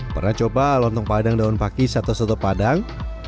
pernah coba lontong padang daun pakis atau soto padang